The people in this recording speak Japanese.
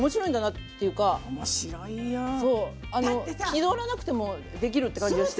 気取らなくてもできるって感じがして。